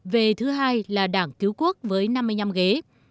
về thứ hai là đảng cứu quốc với năm mươi năm ghế